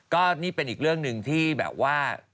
ก็นี่เป็นอีกเรื่องหนึ่งที่แบบว่า